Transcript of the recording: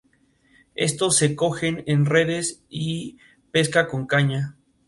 Estos se cogen en redes y pesca con caña.